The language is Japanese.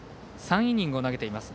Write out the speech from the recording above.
３イニングを投げています。